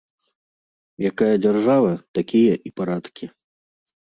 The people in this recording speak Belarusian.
Якая дзяржава, такія і парадкі.